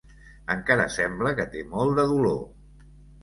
Encara sembla que té molt de dolor.